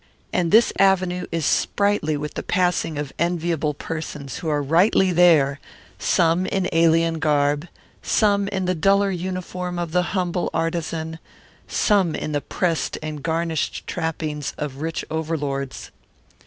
And this avenue is sprightly with the passing of enviable persons who are rightly there, some in alien garb, some in the duller uniform of the humble artisan, some in the pressed and garnished trappings of rich overlords.